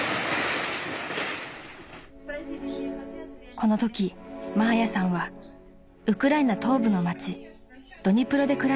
［このときマーヤさんはウクライナ東部の街ドニプロで暮らしていました］